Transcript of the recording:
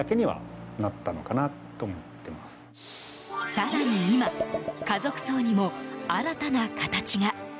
更に今家族葬にも新たな形が。